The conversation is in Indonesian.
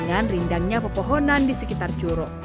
dengan rindangnya pepohonan di sekitar curug